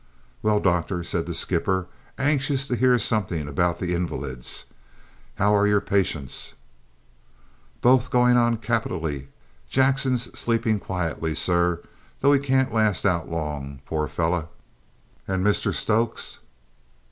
"Well, doctor," said the skipper, anxious to hear something about the invalids, "how're your patients?" "Both going on capitally; Jackson sleeping quietly, sir, though he can't last out long, poor fellow!" "And Mr Stokes?"